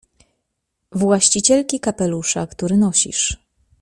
— Właścicielki kapelusza, który nosisz.